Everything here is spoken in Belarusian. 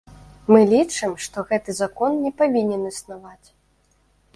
Мы лічым, што гэты закон не павінен існаваць.